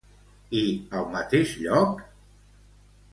I al mateix lloc?